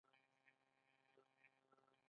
ستوري د تاریخ له پیل نه زموږ له اسمان سره دي.